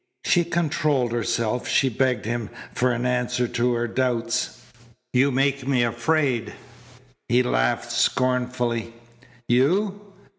She controlled herself. She begged him for an answer to her doubts. "You make me afraid." He laughed scornfully. "You!